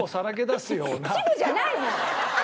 恥部じゃないもん！